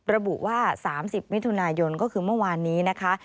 ระบุว่า๓๐มิถุนายนก็คือเมื่อวานนี้นะคะ